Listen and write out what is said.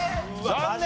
残念。